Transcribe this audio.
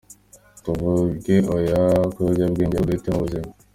Tuvuge oya ku biyobyabwenge ahubwo duhitemo ubuzima.